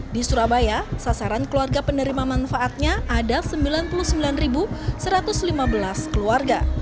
di surabaya sasaran keluarga penerima manfaatnya ada sembilan puluh sembilan satu ratus lima belas keluarga